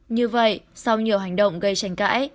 như vậy sau nhiều hành động gây tranh cãi